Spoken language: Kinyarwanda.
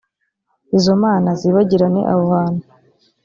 izo mana zibagirane aho hantu.